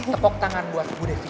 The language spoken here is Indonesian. tepuk tangan buat bu devi